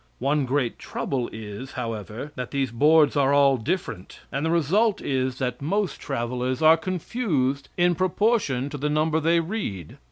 One great trouble is, however, that these boards are all different, and the result is that most travelers are confused in proportion to the number they read.